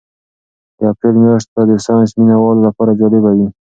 د اپریل میاشت به د ساینس مینه والو لپاره جالبه وي.